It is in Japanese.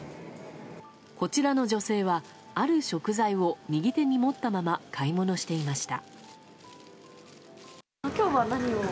こちらの女性はある食材を右手に持ったまま買い物していました。